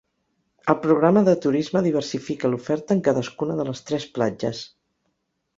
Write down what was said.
El programa de turisme diversifica l’oferta en cadascuna de les tres platges.